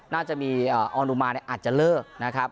น่าจะมีออนุมานอาจจะเลิกนะครับ